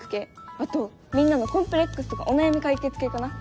あとみんなのコンプレックスとかお悩み解決系かな。